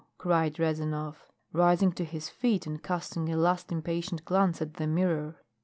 cried Rezanov, rising to his feet and casting a last impatient glance at the mirror.